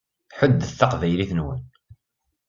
Ḥuddet taqbaylit-nwen.